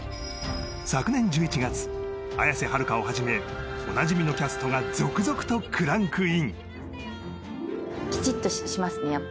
昨年１１月綾瀬はるかをはじめおなじみのキャストが続々とクランクインキチッとしますね